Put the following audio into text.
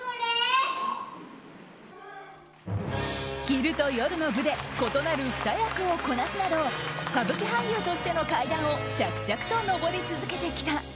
昼と夜の部で異なる２役をこなすなど歌舞伎俳優としての階段を着々と登り続けてきた。